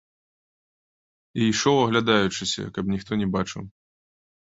І ішоў аглядаючыся, каб ніхто не бачыў.